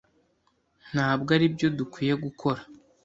Ntabwo aribyo dukwiye gukora.